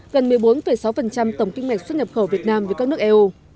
gần một mươi bốn sáu tổng kinh mạch xuất nhập khẩu việt nam với các nước eu